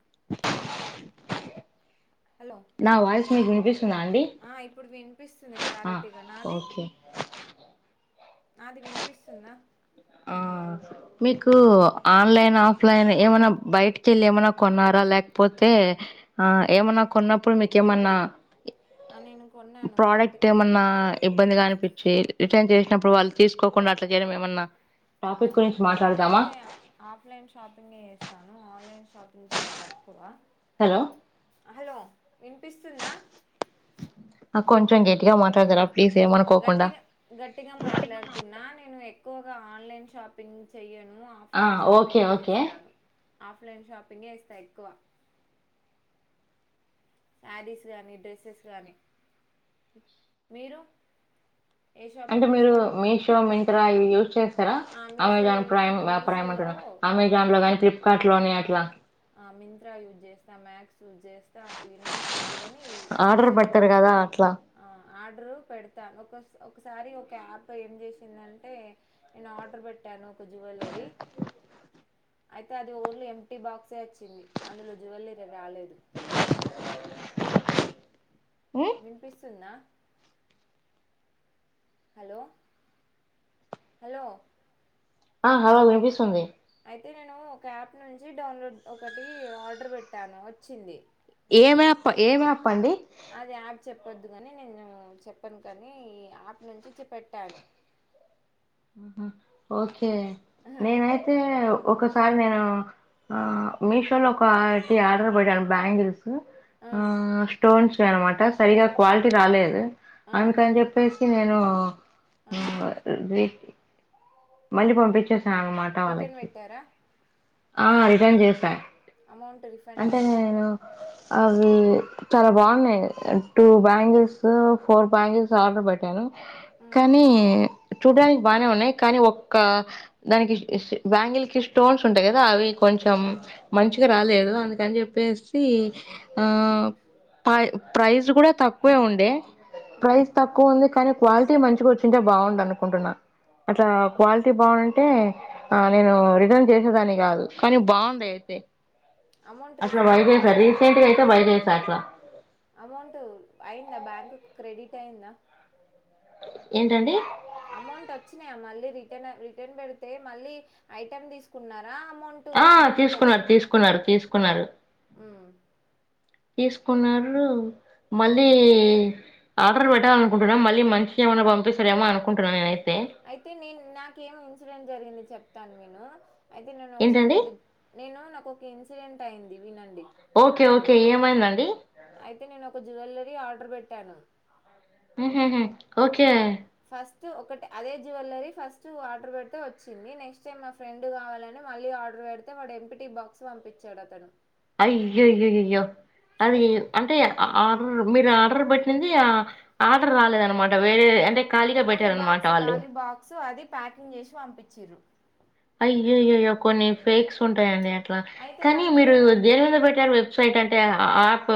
[inaudible] Hello నా voice మీకు వినిపిస్తుందా అండి. వినిపిస్తుందా ఆ క్లారిటీగా నాది. ఓకే నాది వినిపిస్తుందా. ఆ మీకు ఆన్లైన్ ఆఫ్లైన్ ఏమన్నా బయటికి వెళ్ళి ఏమన్నా కొన్నారా లేకపోతే ఆ ఏమన్నా కొన్నప్పుడు మీకు ఏమన్నా ఆ నేను కొన్నాను ప్రోడక్ట్ బయటికి వెళ్ళి ఏమన్నా కొన్నాను ఇబ్బందిగా అని చే రిటర్న్ చేసినప్పుడు వాళ్ళు తీసుకోకుండా అట్లా చేయడం ఏమన్నా టాపిక్ గురించి ఎక్కువ మాట్లాడదామా నేనైతే ఆఫ్లైన్ షాపింగ్ ఏ చేస్తాను ఆన్లైన్ షాపింగ్ చాలా తక్కువ హలో హలో వినిపిస్తుందా. కొంచెం గట్టిగా మాట్లాడగలరా గట్టిగా గట్టిగా మాట్లాడుతున్నా నేను ఎక్కువగా ఆన్లైన్ షాపింగ్ చేయ నేను ఆ ఆఫ్లైన్ ఓకే షాపింగ్ ఏ ఓకే చేస్తాను. ఆఫ్లైన్ షాపింగే ఎ చేస్తా ఎక్కువ శారీస్ గాని డ్రెస్సెస్ గానీ మీరు ఏ అంటే షాపింగ్ మీరు చేస్తారు మీషో మింత్రా ఇవి యూజ్ చేస్తారా ఆ మీషోలో అమెజాన్ యు ప్రైమ్ ప్రైమ్ మీషోలో అంటున్నా అమెజాన్ లో గాని ఫ్లిప్ కార్ట్ లోని అట్లా ఆ మింత్రా యూజ్ చేస్తా మ్యాక్స్ [unintelligible] యూజ్ చేస్తా ఈ నేమ్స్ వద్దు కాని యాప్స్ ఆర్డర్ అని పెడతారు కదా అట్లా ఆ ఆర్డరు పెడతాను ఒకస్ ఒకసారి ఒక యాప్ ఏం చేసిందంటే నేను ఆర్డర్ పెట్టాను. జ్యువలరీ అయితే అది ఓన్లీ ఎంప్టీ బాక్స్ ఎ వచ్చింది అందులో జువెల్లరీ రాలేదు. హ్మ్ వినిపిస్తుందా. హలో హలో ఆ హలో వినిపిస్తుంది. అయితే నేను ఒక యాప్ నుంచి డౌన్లోడ్ ఒకటి ఆర్డర్ పెట్టాను వచ్చింది. ఎం యాప్ ఏం యాప్ అండి అదే యాప్ చెప్ ప్పొద్దు గాని నేను చెప్పను కానీ ఈ ఆయాప్ నుంచిపట్టాను ఆహా ఓకే కే ఆహా, నేనైతే ఒకసారి నేను ఆ మీషోలో [unintelligible] ఆర్డర్ పేటను బంగిల్స్ ఆ స్టోన్స్ [unintelligible] అనమాట సరిగా క్వాలిటీ రాలేదు ఆ అందుకని చెప్పేసి నేను ఆ [unintelligible] మళ్ళి పంపించే శానా అన్నమాట రిటర్న్ వాళ్ళకి పెట్టారా ఆ రిటర్న్ చేసాే అమౌంట్ రిఫండ్ అయి్యందా మరి అవి చాలా బాగున్నాయి two bangles four bangles order పెట్టాను ఉమ్ కానీ చూడడానికి బాగానే ఉన్నాయి కానీ ఒక్క దానికి బ్యాంగిల్ కి స్టోన్స్ ఉంటాయి కదా అవి కొంచెం మంచిగా ఉమ్ రాలేదు అందుకని చెప్పేసి ఆ ఉమ్ ప ప్రైస్ గూడా తక్కువే ఉండే ఉమ్ ప్రైస్ తక్కువతే కానీ క్వాలిటీ మంచిగా వచ్చింటే బాగుండనుకుంటున్నా అట్లా ఉమ్ క్వాలిటీ బాగు టే ఆ ఉమ్ నేను రి చేసేదాన్ని గాదు కానీ బాగుందయితే అమౌంట్ అసలు రిఫండ్ వైదసా అయిందా రీసెంట్గా బై జేసాట్ల అమౌంట్ అయిందా బ్యాంకు క్రెడిట్ అయిందా ఏంటండి అమౌంట్ అచ్చినాయా మళ్ళీ రిట రిటర్న్ పెడితే మళ్ళీ ఐటెమ్ దీసుకున్నారు ఆ తీసుకున్నారు తీసుకున్నారు తీసుకున్నారు ఉమ్ తీసుకున్నారు మళ్ళీ ఉమ్ ఆర్డర్ పెట్టాలినుకుంటున్నా మళ్ళీ మంచిగేమన్నా పంపిస్తారమొ అనుకుంటున్నా నేనైతే అయితే నేను నాకేమి ఇన్సిడెంట్ జరిగింది చెప్ తన్విను అయితే నేనొకసారి ఏంటండి ఒకటి నేను నా ఒక ఇన్సిడెంట్ అయింది వినండి ఓకే చెప్తాను ఓకే ఏమైందండి అయితే నేనొక జ్యువలరీ ఆ ర్ బెట్టాను ఆహహ ఓకే ట్ ఒకటి అదే జువెల్లరీ ఫస్ట్ ఆర్డర్ బెడితే వచ్చింది నెక్స్ట్ టైం మా ఫ్రెండ్ గావాలని మళ్ళీ ఆర్డర్ పెడితే వాడు ఎంపిటి బాక్స్ పంపించాడు అతను అయ్యయ్యయ్యయ్యో అవి సరే అంటే ఆర్డర్ మీరు ఆర్డర్ బట్టి ఆర్డర్ రాలేదనమాట వేరే అంటే ఖాళీగా ఓన్లీ పెట్టారనమాట బాక్స్ వాళ్ళు ఖాలీ బాక్సు అది ప్యాకింగ్ జేసి పంపించ్రు అయ్యయ్యయ్యో కొన్ని ఫేక్స్ ఉంటాయండి ట్ల అయితే కానీ మళ్ళీ మీరు ఏమైంది దేని మీద బెట్టారు వెబ్సైట్ అంటే ఆప్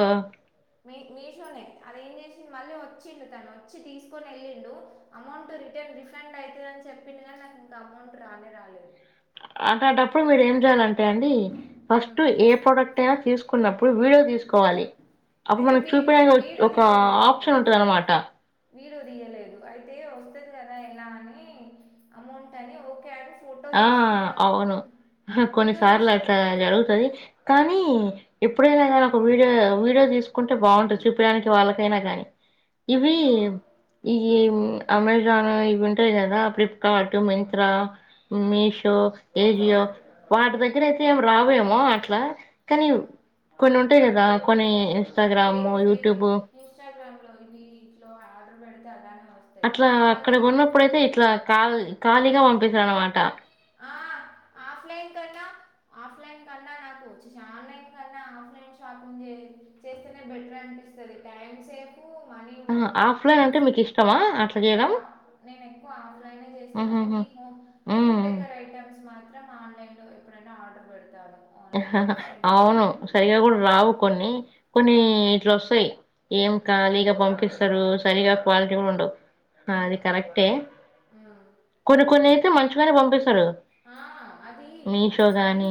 మీ మీషోనే అదేం చేసింది మళ్ళీ వచ్చిండు తను వచ్చి తీసుకొనెళ్ళిండు అమౌంట్ రిటర్న్ రిఫండ్ అయితదని చెప్పిండు కానీ నాకు ఇంకా అమౌంట్ రానే రాలె రానే రాలేదు అట్టంటప్పుడు మీరు ఏం జెయ్యాల అండి ఫస్ట్ ఉమ్. ఏ ప్రోడక్ట్ అయినా తీసు కున్నప్పుడు వీడియో తీసు కోవాలి అప్పుడు అయితే మనం వీ చూపిడానికి వీడియో ఒక తీయలేదు అప్పుడు ఆప్షన్ ఉంటదనమాట వీడియో తీయలేదు అయితే వస్తుంది కదా ఎలా అని అమౌంట్ అని ఓకే అన్ ఆ అవును వీడియో కొన్నిసార్లు తీసి పె అట్లా జరుగుతది కానీ ఎప్పుడైనా గానీ ఒక వీడియో వీడియో తీసుకుంటే బాగుంటది చూపిడానికి వాళ్ళకైనా గానీ ఇవి వీడియో ఈ ఉమ్, అమెజాన్ ఇవున్ ఉంటాయ్ గదా ఫ్లిప్కార్ట్ మింత్రా ఉమ్, మీషో ఏజియో ఉమ్, వాటి దగ్గర అయితే ఏమి రావేమో అట్లా కానీ ఉమ్. కొన్ని ఉం [unintelligible] రా కొని ఇన్స్టాగ్రామ్ యూట్యూబ్ కొన్నింట్లో ఆర్డర్ పెడితే అలానే వస్తాయి అట్లా అక్కడ కానీ కొన్నప్పుడు అయితే ఇట్లా కావలి ఖాళీగా పంపిస్సా అనమాట ఆ ఆఫ్లైన్ కన్నా ఆఫ్లైన్ కన్నా నాకు చీ [unintelligible] ఆన్లైన్ కన్నా ఆప్లైన్ షాపింగ్ చేస్తేనే బెటర్ అనిపిస్తది టైమ్ సేవ్ వు మనీ కూడ ఆహా! ఇప్పుడు ఆఫ్‌లైన్ అంటే మీకిష్టమా అట్లా నాక జేయడం? నేను ఎక్కువ ఆఫ్లైన్ చేస్తాను హుహుహు. [unintelligible] ఉ హ్మ్. డెకర్ ఐటమ్స్ మాత్రం ఆన్లైన్ [unintelligible] ఎప్పుడైనా ఆర్డర్ పెడు అవును సరిగా కూడా రావు కొన్ని ఆ, కొన్ని ఇట్లు వొస్సయ్ ఏం ఖాళీగా పంపిస్సరు సరిగా క్వాలిటీ కూడా ఉండవు ఉమ్, అది కరెక్టే ఉమ్. కొన్ని కొన్నీ టు మంచిగానే పంపిస్తారు ఆ, అది మీషో అది గానీ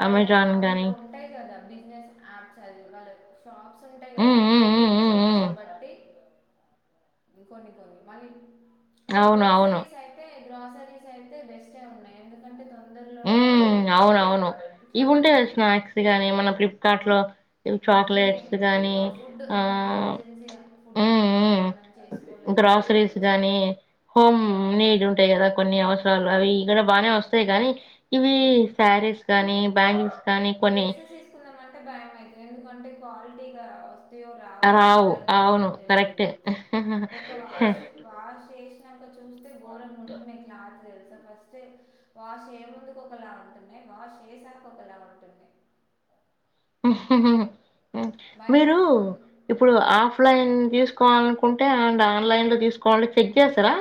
వాళ్ళ అమెజాన్ గానీ. అందులో ఉంటాయి గా ట బిజినెస్ యాప్స్ అది వాళ్ళ షాప్స్ ఉంటాయి కదా హ్మ్. అవి హ్మ్. కొన్ని హ్మ్. కొన్ని హ్మ్. షాప్స్ హ్మ్. ని బట్టి కొన్ని కొన్ని మళ్ళీ ఈ అవును. అవును. గ్రాసరీస్ అయితే గ్రాసరీస్ ఐతే బెస్ హుమ్ అవునవును ఇట్లా ఇవి ఆర్డర్ ఉంటాయి కదా పెట్టి స్నాక్స్ గాని మన ప్లిప్ కార్ట్ లో ఉమ్, బిర్యానీ చాక్లెట్స్ గానీ ఫుడ్ ఆ ఏమైనా ఎమర్జెన్సీగా ఫుడ్ ఊ ఏమైనా మనం ఊ చేసుకోలేకపోతే గ్రాసరీస్ వచ్చి గానీ హోమ్ గ్రా నీడ్ ఉంటాయి కదా కొన్ని అవసరాలు అవి ఇక్కడ బానే వస్తాయి గానీ ఇవి ఈ శారీస్ కానీ బ్యాంగి ఈ డ్రెస్సెస్ తీసుకున్నాం అంటే భయంమవుతది ఎందుకంటే క్వాలిటీగా వస్ తాయో రావో రావు కలర్ పోతదో అవును తెలియదు కరెక్టే ఒక వాష్ వాష్ చేసి రి గోరంగ ఉంటున్నయ్ యి క్లాత్ తే ఫస్టే వాష్ చేయ ముందుకు ఒకలా ఉంటున్నాయ్ వాష్ చేసాక ఒకలా ఉ హహహ్ భయం మీరు వేస్తుంది ఆ, ఇప్పుడు ఆఫ్లైన్ తీసు కవాలనుకుంటే అండ్ ఆన్లైన్ లో తీసుకోవాలి చెక్ చేస్తారా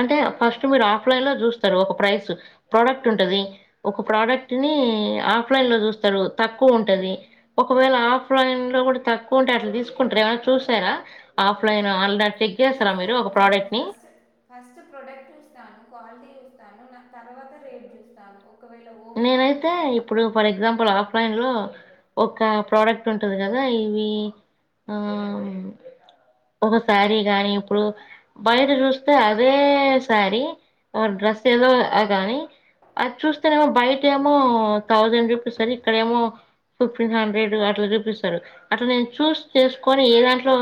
అంటే చె- ఫస్ట్ మీరు ఆఫ్లైన్ లో చూస్తారు ఒక ప్రైస్ ప్రోడక్ట్ ఉంటది ఒక ప్రడక్ట్ ని ఎ ఆఫ్లైన్ లో చూస్తారు తక్కువ ఉమ్, ఉంటది ఉమ్. ఒకవేళ ఆఫ్లైన్ లో కూడా తక్కువ ఉంటే అట్లా తీసుకుంటార ఏమైనా చూసారా ఆఫ్లైన్ ఆన్లైన్ చూస్తాను నేను ఫస్ ఫస్ట్ ఫస్ట్ ప్రోడక్ట్ చూస్తాను క్వాలిటీ స్తాను నాక్ తర్వాత రేట్ చూస్తాను ఒకవేళ ఓకే నేనైతే అనిపిస్తే ఇప్పుడు ఫర్ ఎగ్జాంపుల్ ఆవ లైన్లో ఒక ఉమ్, ప్రడక్ట్ ఉంటు ఉంటది కదా ఇవి ఆ ఉమ్, వును ఒక సారి గాని ఇప్పుడు బయట చూస్తే అవె శారీ ఉమ్, డ్రెస్ ఏదో అ గానీ అది చూస్తేనే ఫైట్ ఏమో థౌసండ్ రూపీస్ ఇక్కడ ఏమో ఫిఫ్టీన్ హండ్రెడ్ అట్ల చూపిస్తారు అట్లా నేన్ చూస్ చేసుకొని ఏ దాంట్లో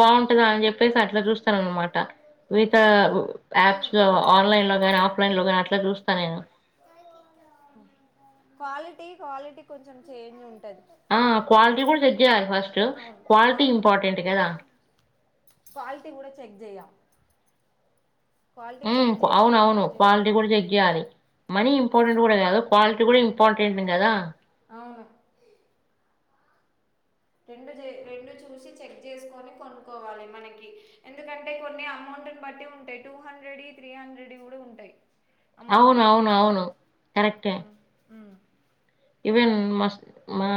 బాగుంటంద అని చెప్పేసి అట్ల చూస్తాను అనమాట వితా యాప్స్ ఉమ్. లో ఆన్లైన్ లో గని ఆఫ్లైన్ లో గని అట్లా చూస్తా నేను క్వాలిటీ క్వాలిటీ కొంచెం చేంజ్ ఉం ఆ క్వాలిటీ కూడా చెక్ చేయాలి ఫస్ట్ అవును క్వాలిటీ అవును ఇంపార్టెంట్ కదా క్వాలిటీ కూడా చెక్ చెయ్య ఉమ్ అవునవును క్వాలిటీ కూడా చెక్ జెయాలి మనీ అవును ఇంపార్టెంట్ కూడా కాదు క్వాలిటీ కూడా ఇంపార్టెంట్ కదా అవును రెండు చే రెండు చూసి చెక్ చేసుకొని కొనుకొవాలి మనకి ఎందుకంటే కొన్ని అమౌంట్ని బట్టి ఉంటాయి టూ హండ్రెడ్యి త్రీ హండ్రెడ్ యి కూడా ఉంటాయి అమౌంట్ అవును అవును అవును కరెక్టే ఉమ్, ఉమ్, ఈవెన్ మస్ మా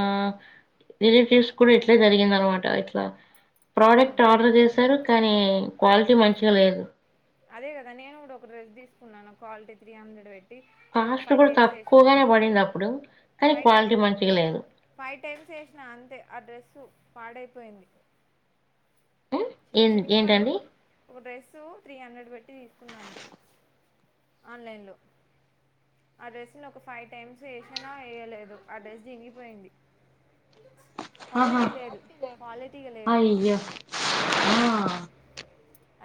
రిలేటివ్స్ కూడా ఇట్లే జరిగింద అనమాట ఇట్ల ఉమ్, ప్రడక్ట్ ఆర్డర్ చేశారు కని క్వాలిటీ ఉమ్. మంచిగా లేదు అదే కదా నేను కూడా ఒక డ్రెస్ తీసుకున్నాను క్వాలిటీ త్రీ హండ్రెడ్ పెట్ అది ఒక కాస్ట్ ఫైవ్ గూడా టైమ్స్ వస తక్కువగానే బడిందప్పుడు, కానీ ఫై్ టై క్వాలిటీ మంచిగా లేదు. ఫైవ్ టైమ్స్ ఎసిన అంతే ఆ డ్రెస్ పాడైపో పోయింది హ్మ్. ఏం చిరిగిపోయింది ఏంటండి? ఒక డ్రెస్ సో త్రీ హండ్రెడ్ పెట్టి తీసుకున్నాను ఆన్లైన్లో అడ్రస్ని ఒక ఫైవ్ టైమ్స్ వేసాిన వేయలేదు అడ్రస్ చినిగిపోయింది ఆహా! క్వాలిటీ లేదు క్వాలిటీగా లేదు అయ్యో! ఆ మ్మ్.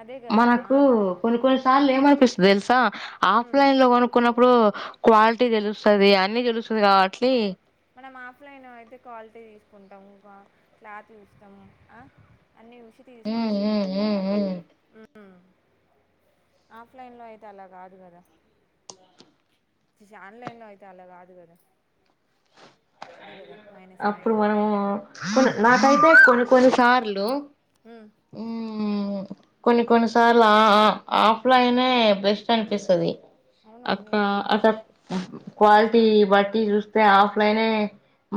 అదే కదా మనకు కొన్ని కొన్నిసార్లు అ ఏమ అనిపిస్తుది తె ఎల్ా మ్మ్. ఆఫ్లైన్ లోను కొ ఇప్పుడు క్వాలిటీ తెలుస్తుది అన్ని తెలుస్తుంది కాబట్టి మనం ఆఫ్లైన్ అయితే క్వాలిటీ చూసుకుంటాము క్లాత్ చూస్తాము అన్నీ చూసి తీసి ఉమ్ ఉమ్ తీసుకుంటాం ఉమ్ కదా ఉమ్ ఆఫ్లైన్ లో అయితే అలా కాదు కదా ఆన్లైన్ లో అయితే అలా కాదు కదా అదే కదా మైనస్ అప్పుడు పాయింట్ మనము నాకైతే కొన్ని కొన్నిసార్లు హ్మ్మ్ కొన్ని కొన్ని సార్లు ఆఫ్లైన్ బెస్ట్ అనిపిస్తది అవును అక్క అన్నిటికీ అక్క ఈ గ్రా క్వాలిటీ బట్టి చూ ఆఫ్లైనే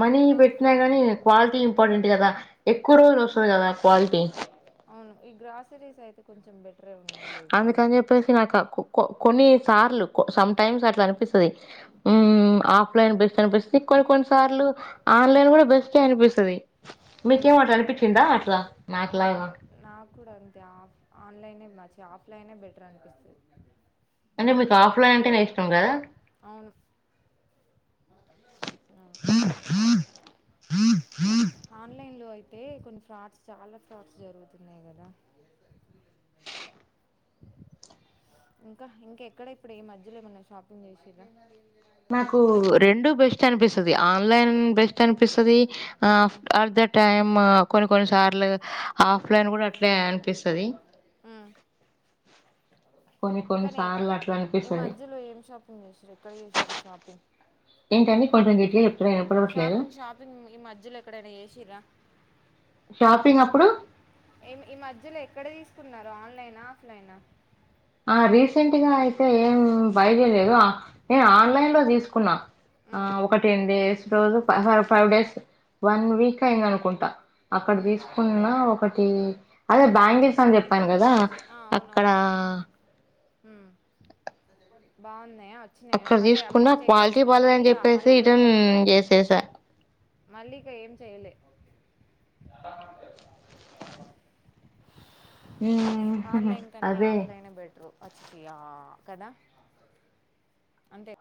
మనీ ఆ, పెట్టినా గానీ క్వాలిటీ ఇంపార్టెంట్ కదా ఎక్కువ రోజు వస్తది కదా క్వాలిటీ అవును ఈ గ్రాసరీస్ అయితే కొంచెం బెటర్ అందుకని చెప్పేసి నాకు కొన్ని సార్లు సమ్ టైమ్స్ అట్లా అనిపిస్తుంది ఉమ్, ఆఫ్లైన్ బ కనిపిస్తుంది కొన్ని కొన్ని సార్లు ఆన్లైన్ కూడా బెస్ట్ే అనిపిస్తుంది అవును మీకేం అట్లా అనిపించిందా అట్లా నాకు మాకులాగా ఆ- నాకు కూడా అంతే ఆఫ్ ఆన్లైనే మంచిి ఆఫ్లైనే బెటర్ అనిపిస్తుంది అంటే మీకు ఆఫ్లైన్ అంటేనే ఇష్టం కదా అవును అవును. ఆన్లైన్ లో అయితే కొన్ని ఫ్రాడ్స్ చాలా ఫ్రాడ్స్ జరుగుతున్నాయి కదా ఇంకా ఇంకా ఎక్కడ ఇప్పుడ ఏ మధ్యలో ఏమన్నా షాపింగ్ చేసిండ్రా నాకు రెండు బెస్ట్ అనిపిస్తుంది ఆన్లైన్ బెస్ట్ అనిపిస్తుది ఉమ్, అట్ ద టైమ్ కొన్ని కొన్ని సార్లు ఉమ్, ఆఫ్లైన్ కూడా అట్లే అనిపిస్తుది ఇంకానే అట్లా ఈ అనిపిస్తది మధ్యలో ఏం షాపింగ్ చేశారు ఎక్కడ చేసిారు షాపింగ్ ఏ తన్నీ కొంటడిట్ షాపింగ్ షాపింగ్ ఈ మధ్యలో ఎక్కడైనా చేసరా షాపింగ్ అప్పుడు ఏ ఈ మధ్యలో ఎక్కడ తీసుకున్నారు ఆన్లైన్ ఆఫ్లైన్ ఆ రీసెంట్గా అయితే ఏం బైద లేదు నేను ఆన్లైన్ తీసుకున్నా ఆ ఉమ్, ఒక టెన్ డేస్ రోజు ఫ ఫైవ్ డేస్ వన్ వీక్ అయింది అనుకుంటా అక్కడ ఉమ్, తీసుకున్న ఒక అ అదే ఉమ్. బ్యాంగల్స్ అని చెప్పాను కదా అక్కడ బాగుంది అక్కడ తీసుకున్నా క్వాలిటీ మళ్ళీ బాలలేదని ఇక చెప్పేసి మళ్ళీ రటర్న్ పెట్టలేదా చేసేసా మళ్ళీ ఇకా ఏం చెయలే హ్మ్. ఆన్లైన్ కన్నా అదే. ఆఫ్లైన్ బెట్రు అచ్చిసి కదా అంతే